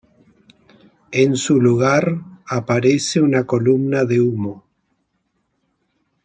En su lugar, aparece una columna de humo.